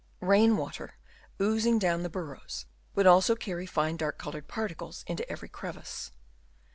Bain water, oozing down the burrows would also carry fine dark coloured particles into every crevice.